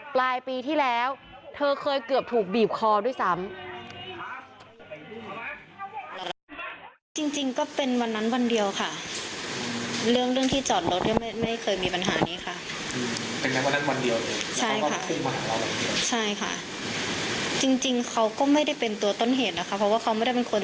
ปลายปีที่แล้วเธอเคยเกือบถูกบีบคอด้วยซ้ำ